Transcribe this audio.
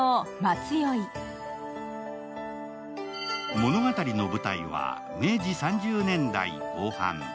物語の舞台は明治３０年代後半。